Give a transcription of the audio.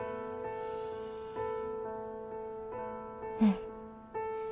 うん。